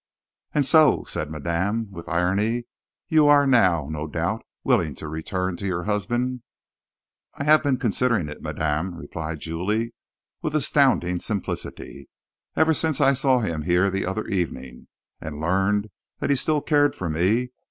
"And so," said madame, with irony, "you are now, no doubt, willing to return to your husband." "I have been considering it, madame," replied Julie, with astounding simplicity, "ever since I saw him here the other evening, and learned that he still cared for me.